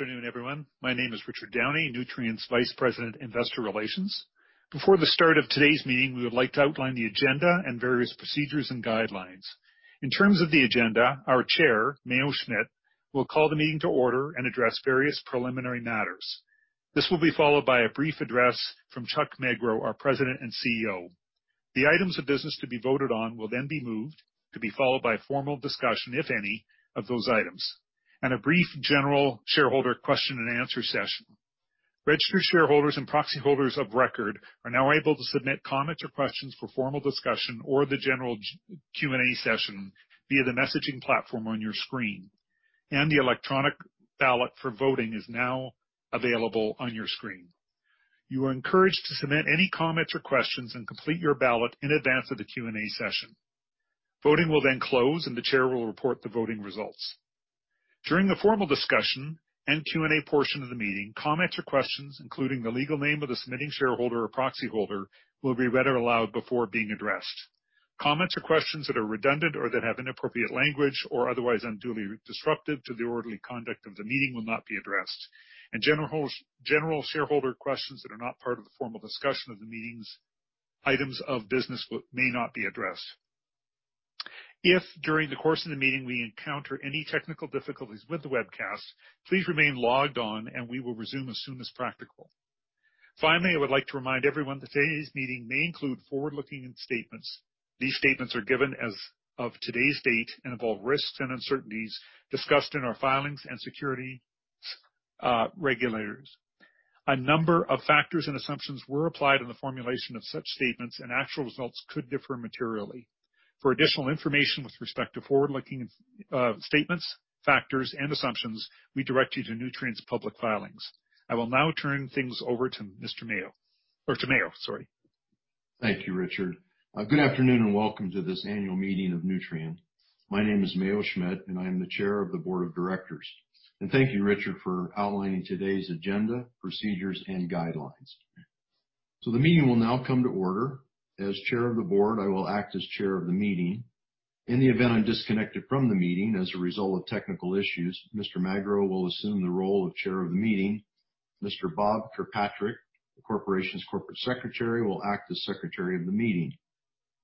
Good afternoon, everyone. My name is Richard Downey, Nutrien's Vice President, Investor Relations. Before the start of today's meeting, we would like to outline the agenda and various procedures and guidelines. In terms of the agenda, our chair, Mayo Schmidt, will call the meeting to order and address various preliminary matters. This will be followed by a brief address from Chuck Magro, our President and CEO. The items of business to be voted on will then be moved to be followed by formal discussion, if any, of those items, and a brief general shareholder question and answer session. Registered shareholders and proxy holders of record are now able to submit comments or questions for formal discussion or the general Q&A session via the messaging platform on your screen, and the electronic ballot for voting is now available on your screen. You are encouraged to submit any comments or questions and complete your ballot in advance of the Q&A session. Voting will close, and the chair will report the voting results. During the formal discussion and Q&A portion of the meeting, comments or questions, including the legal name of the submitting shareholder or proxy holder, will be read aloud before being addressed. Comments or questions that are redundant or that have inappropriate language or otherwise unduly disruptive to the orderly conduct of the meeting will not be addressed, and general shareholder questions that are not part of the formal discussion of the meeting's items of business may not be addressed. If, during the course of the meeting, we encounter any technical difficulties with the webcast, please remain logged on, and we will resume as soon as practical. Finally, I would like to remind everyone that today's meeting may include forward-looking statements. These statements are given as of today's date and involve risks and uncertainties discussed in our filings and securities regulators. A number of factors and assumptions were applied in the formulation of such statements, actual results could differ materially. For additional information with respect to forward-looking statements, factors, and assumptions, we direct you to Nutrien's public filings. I will now turn things over to Mr. Mayo, or to Mayo. Sorry. Thank you, Richard. Good afternoon, and welcome to this annual meeting of Nutrien. My name is Mayo Schmidt, and I am the Chair of the Board of Directors. Thank you, Richard, for outlining today's agenda, procedures, and guidelines. The meeting will now come to order. As chair of the board, I will act as chair of the meeting. In the event I'm disconnected from the meeting as a result of technical issues, Mr. Magro will assume the role of chair of the meeting. Mr. Bob Kirkpatrick, the corporation's corporate secretary, will act as secretary of the meeting.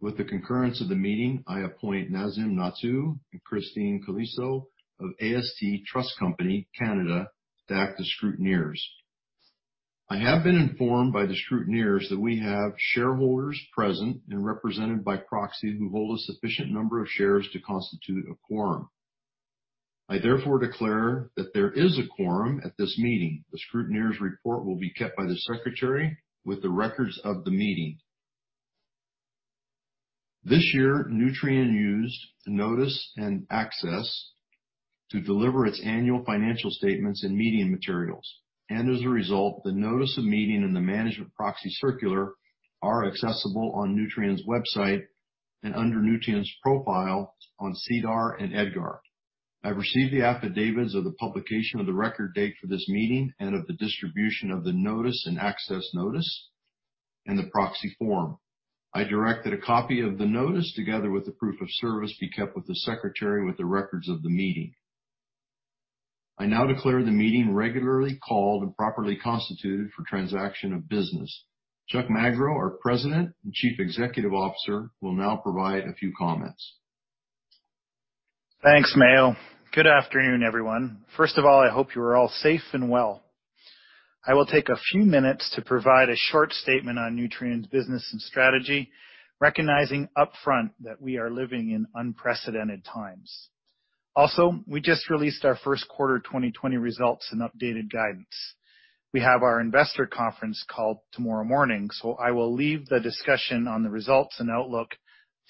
With the concurrence of the meeting, I appoint Nazim Nathoo and Kristine Calesso of AST Trust Company (Canada) to act as scrutineers. I have been informed by the scrutineers that we have shareholders present and represented by proxy who hold a sufficient number of shares to constitute a quorum. I therefore declare that there is a quorum at this meeting. The scrutineer's report will be kept by the secretary with the records of the meeting. This year, Nutrien used Notice and Access to deliver its annual financial statements and meeting materials. As a result, the notice of meeting and the management proxy circular are accessible on Nutrien's website and under Nutrien's profile on SEDAR and EDGAR. I received the affidavits of the publication of the record date for this meeting and of the distribution of the Notice and Access notice and the proxy form. I directed a copy of the notice, together with the proof of service, be kept with the secretary with the records of the meeting. I now declare the meeting regularly called and properly constituted for transaction of business. Chuck Magro, our President and Chief Executive Officer, will now provide a few comments. Thanks, Mayo. Good afternoon, everyone. First of all, I hope you are all safe and well. I will take a few minutes to provide a short statement on Nutrien's business and strategy, recognizing upfront that we are living in unprecedented times. Also, we just released our first quarter 2020 results and updated guidance. We have our investor conference call tomorrow morning, so I will leave the discussion on the results and outlook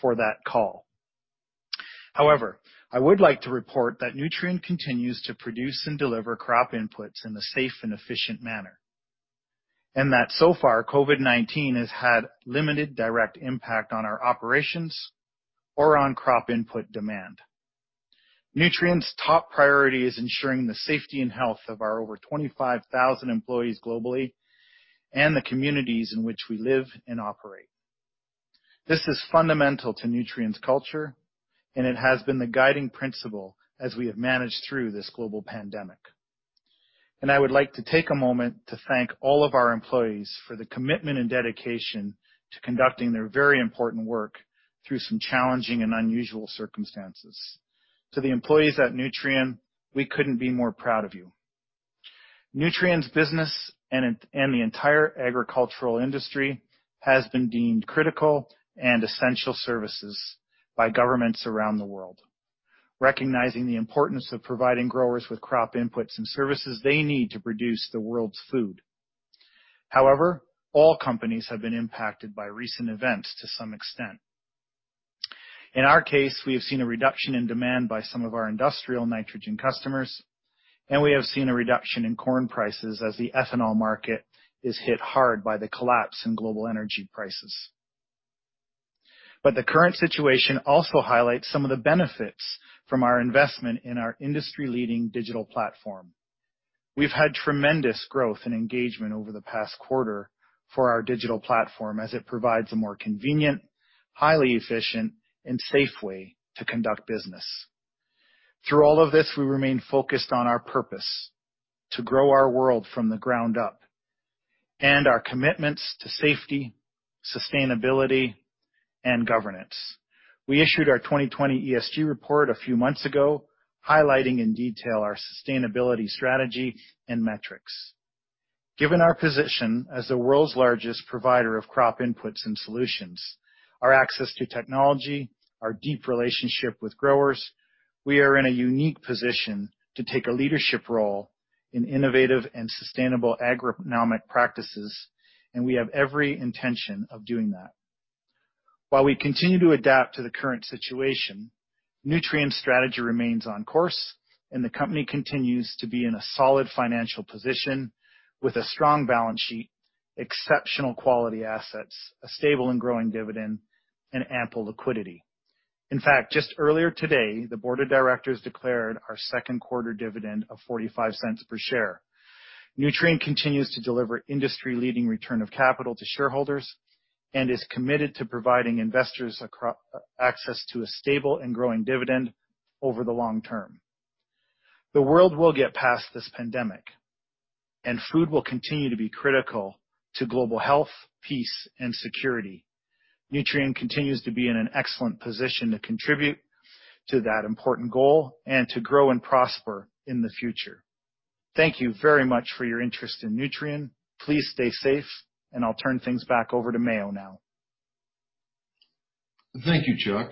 for that call. However, I would like to report that Nutrien continues to produce and deliver crop inputs in a safe and efficient manner, and that so far, COVID-19 has had limited direct impact on our operations or on crop input demand. Nutrien's top priority is ensuring the safety and health of our over 25,000 employees globally and the communities in which we live and operate. This is fundamental to Nutrien's culture. It has been the guiding principle as we have managed through this global pandemic. I would like to take a moment to thank all of our employees for the commitment and dedication to conducting their very important work through some challenging and unusual circumstances. To the employees at Nutrien, we couldn't be more proud of you. Nutrien's business and the entire agricultural industry has been deemed critical and essential services by governments around the world, recognizing the importance of providing growers with crop inputs and services they need to produce the world's food. However, all companies have been impacted by recent events to some extent. In our case, we have seen a reduction in demand by some of our industrial nitrogen customers, and we have seen a reduction in corn prices as the ethanol market is hit hard by the collapse in global energy prices. The current situation also highlights some of the benefits from our investment in our industry-leading digital platform. We've had tremendous growth and engagement over the past quarter for our digital platform as it provides a more convenient, highly efficient, and safe way to conduct business. Through all of this, we remain focused on our purpose, to grow our world from the ground up, and our commitments to safety, sustainability, and governance. We issued our 2020 ESG report a few months ago, highlighting in detail our sustainability strategy and metrics. Given our position as the world's largest provider of crop inputs and solutions, our access to technology, our deep relationship with growers, we are in a unique position to take a leadership role in innovative and sustainable agronomic practices, and we have every intention of doing that. While we continue to adapt to the current situation, Nutrien's strategy remains on course, and the company continues to be in a solid financial position with a strong balance sheet, exceptional quality assets, a stable and growing dividend, and ample liquidity. In fact, just earlier today, the board of directors declared our second quarter dividend of 0.45 per share. Nutrien continues to deliver industry-leading return of capital to shareholders and is committed to providing investors access to a stable and growing dividend over the long term. The world will get past this pandemic, and food will continue to be critical to global health, peace, and security. Nutrien continues to be in an excellent position to contribute to that important goal and to grow and prosper in the future. Thank you very much for your interest in Nutrien. Please stay safe, and I'll turn things back over to Mayo now. Thank you, Chuck.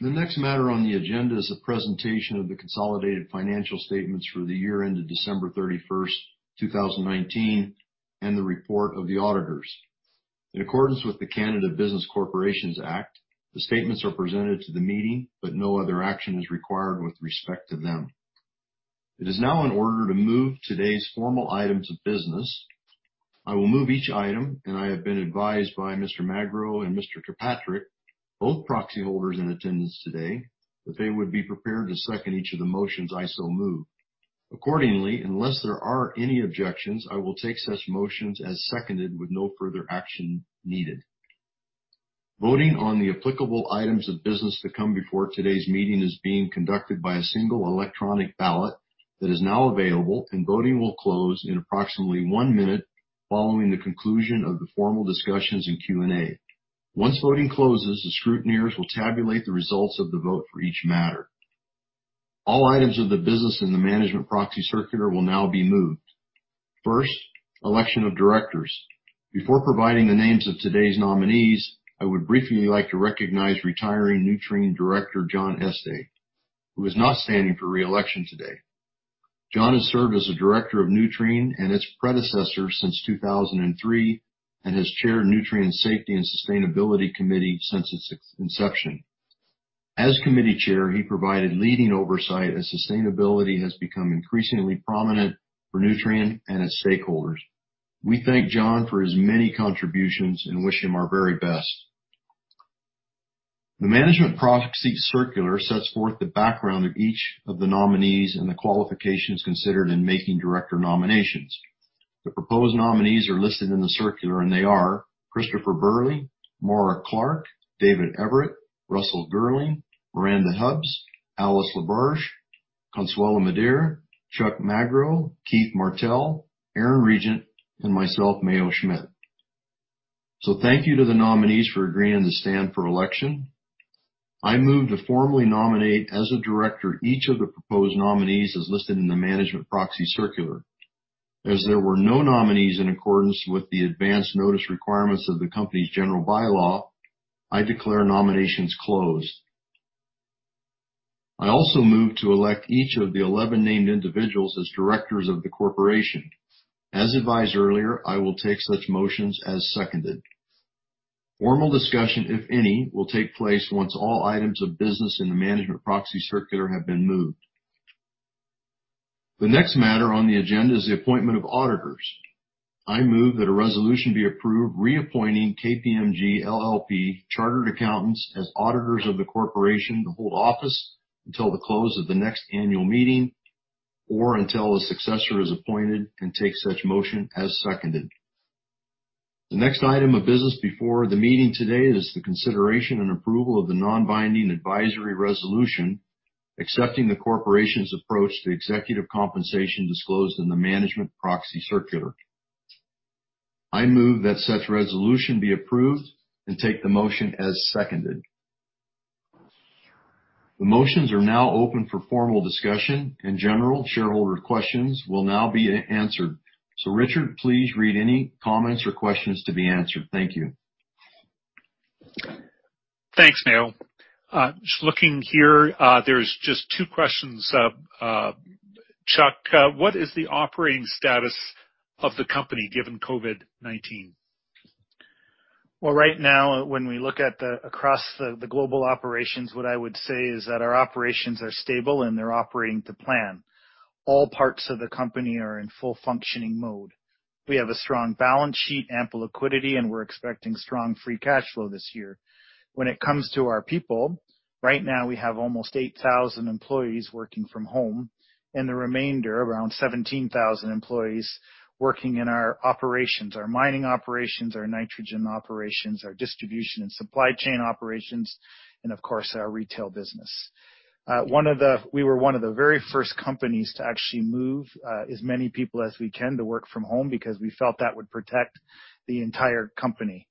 The next matter on the agenda is a presentation of the consolidated financial statements for the year ended December 31st, 2019, and the report of the auditors. In accordance with the Canada Business Corporations Act, the statements are presented to the meeting, but no other action is required with respect to them. It is now in order to move today's formal items of business. I will move each item, and I have been advised by Mr. Magro and Mr. Kirkpatrick, both proxy holders in attendance today, that they would be prepared to second each of the motions I so move. Accordingly, unless there are any objections, I will take such motions as seconded with no further action needed. Voting on the applicable items of business to come before today's meeting is being conducted by a single electronic ballot that is now available, and voting will close in approximately one minute following the conclusion of the formal discussions in Q&A. Once voting closes, the scrutineers will tabulate the results of the vote for each matter. All items of the business in the management proxy circular will now be moved. First, election of Directors. Before providing the names of today's nominees, I would briefly like to recognize retiring Nutrien Director John Estey, who is not standing for re-election today. John has served as a Director of Nutrien and its predecessor since 2003 and has chaired Nutrien's Safety and Sustainability Committee since its inception. As Committee Chair, he provided leading oversight as sustainability has become increasingly prominent for Nutrien and its stakeholders. We thank John for his many contributions and wish him our very best. The management proxy circular sets forth the background of each of the nominees and the qualifications considered in making director nominations. The proposed nominees are listed in the circular, and they are Christopher Burley, Maura Clark, David Everitt, Russell Girling, Miranda Hubbs, Alice Laberge, Consuelo Madere, Chuck Magro, Keith Martell, Aaron Regent, and myself, Mayo Schmidt. Thank you to the nominees for agreeing to stand for election. I move to formally nominate as a director each of the proposed nominees as listed in the management proxy circular. As there were no nominees in accordance with the advance notice requirements of the company's general bylaw, I declare nominations closed. I also move to elect each of the 11 named individuals as directors of the corporation. As advised earlier, I will take such motions as seconded. Formal discussion, if any, will take place once all items of business in the management proxy circular have been moved. The next matter on the agenda is the appointment of auditors. I move that a resolution be approved reappointing KPMG LLP Chartered Accountants as auditors of the corporation to hold office until the close of the next annual meeting or until a successor is appointed and take such motion as seconded. The next item of business before the meeting today is the consideration and approval of the non-binding advisory resolution accepting the corporation's approach to executive compensation disclosed in the management proxy circular. I move that such resolution be approved and take the motion as seconded. The motions are now open for formal discussion, and general shareholder questions will now be answered. Richard, please read any comments or questions to be answered. Thank you. Thanks, Mayo. Just looking here, there's just two questions. Chuck, what is the operating status of the company given COVID-19? Well, right now, when we look at across the global operations, what I would say is that our operations are stable, and they're operating to plan. All parts of the company are in full functioning mode. We have a strong balance sheet, ample liquidity, and we're expecting strong free cash flow this year. When it comes to our people, right now we have almost 8,000 employees working from home, and the remainder, around 17,000 employees, working in our operations, our mining operations, our nitrogen operations, our distribution and supply chain operations, and of course, our retail business. We were one of the very first companies to actually move as many people as we can to work from home because we felt that would protect the entire company.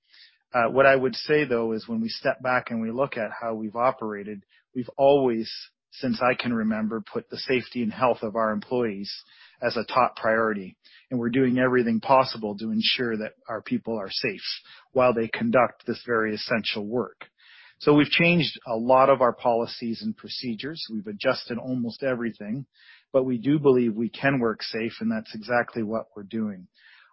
What I would say, though, is when we step back and we look at how we've operated, we've always, since I can remember, put the safety and health of our employees as a top priority, and we're doing everything possible to ensure that our people are safe while they conduct this very essential work. We've changed a lot of our policies and procedures. We've adjusted almost everything, but we do believe we can work safe, and that's exactly what we're doing.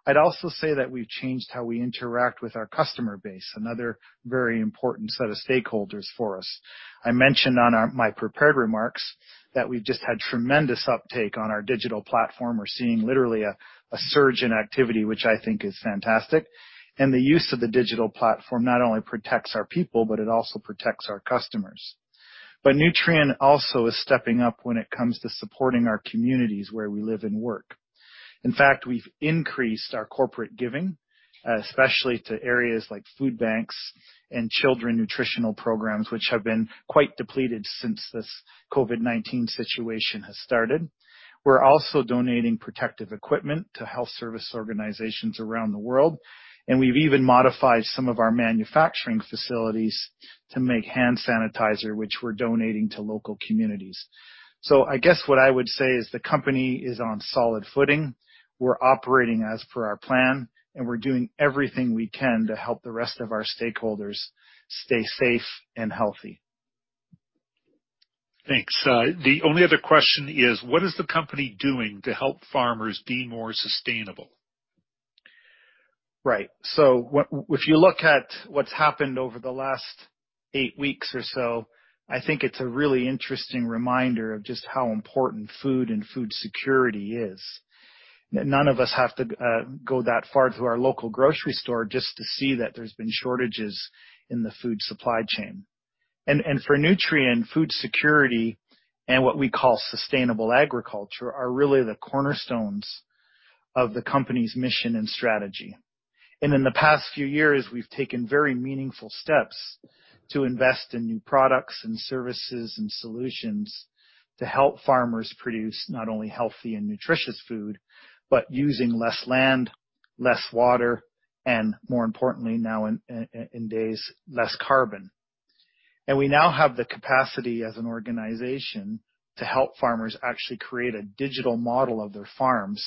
I'd also say that we've changed how we interact with our customer base, another very important set of stakeholders for us. I mentioned on my prepared remarks that we've just had tremendous uptake on our digital platform. We're seeing literally a surge in activity, which I think is fantastic. The use of the digital platform not only protects our people, but it also protects our customers. Nutrien also is stepping up when it comes to supporting our communities where we live and work. In fact, we've increased our corporate giving, especially to areas like food banks and children nutritional programs, which have been quite depleted since this COVID-19 situation has started. We're also donating protective equipment to health service organizations around the world, and we've even modified some of our manufacturing facilities to make hand sanitizer, which we're donating to local communities. I guess what I would say is the company is on solid footing. We're operating as per our plan, and we're doing everything we can to help the rest of our stakeholders stay safe and healthy. Thanks. The only other question is, what is the company doing to help farmers be more sustainable? Right. If you look at what's happened over the last eight weeks or so, I think it's a really interesting reminder of just how important food and food security is. None of us have to go that far through our local grocery store just to see that there's been shortages in the food supply chain. For Nutrien, food security and what we call sustainable agriculture are really the cornerstones of the company's mission and strategy. In the past few years, we've taken very meaningful steps to invest in new products and services and solutions to help farmers produce not only healthy and nutritious food, but using less land, less water, and more importantly, nowadays, less carbon. We now have the capacity as an organization to help farmers actually create a digital model of their farms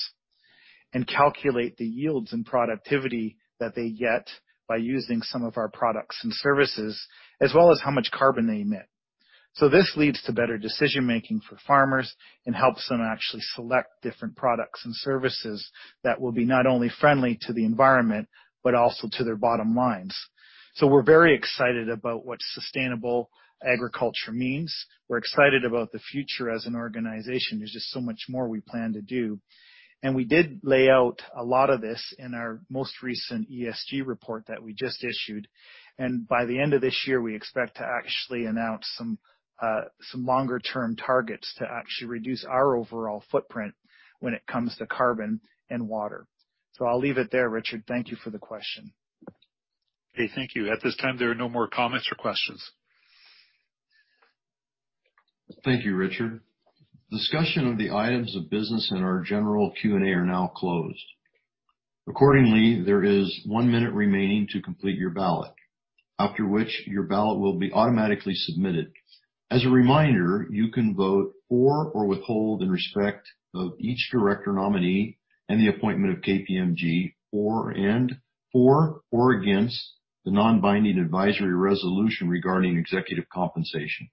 and calculate the yields and productivity that they get by using some of our products and services, as well as how much carbon they emit. This leads to better decision-making for farmers and helps them actually select different products and services that will be not only friendly to the environment but also to their bottom lines. We're very excited about what sustainable agriculture means. We're excited about the future as an organization. There's just so much more we plan to do. We did lay out a lot of this in our most recent ESG report that we just issued. By the end of this year, we expect to actually announce some longer-term targets to actually reduce our overall footprint when it comes to carbon and water. I'll leave it there, Richard. Thank you for the question. Okay, thank you. At this time, there are no more comments or questions. Thank you, Richard. Discussion of the items of business and our general Q&A are now closed. Accordingly, there is one minute remaining to complete your ballot. After which your ballot will be automatically submitted. As a reminder, you can vote for or withhold in respect of each director nominee and the appointment of KPMG, for or against the non-binding advisory resolution regarding executive compensation.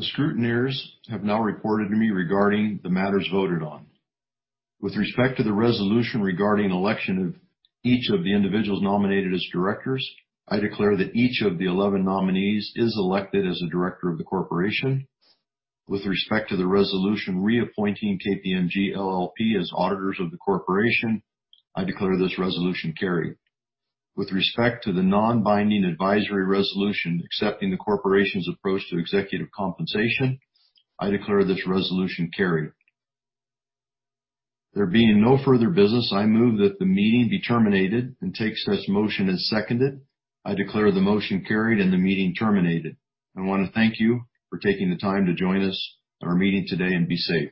The scrutineers have now reported to me regarding the matters voted on. With respect to the resolution regarding election of each of the individuals nominated as directors, I declare that each of the 11 nominees is elected as a director of the corporation. With respect to the resolution reappointing KPMG LLP as auditors of the corporation, I declare this resolution carried. With respect to the non-binding advisory resolution accepting the corporation's approach to executive compensation, I declare this resolution carried. There being no further business, I move that the meeting be terminated, and take such motion as seconded. I declare the motion carried and the meeting terminated. I want to thank you for taking the time to join us in our meeting today, and be safe.